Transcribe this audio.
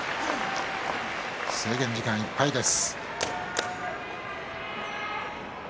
制限時間いっぱいです。